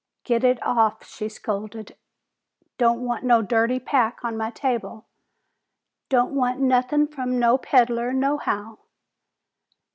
"Get it off!" she scolded. "Don't want no dirty pack on my table! Don't want nothin' from no peddler nohow!"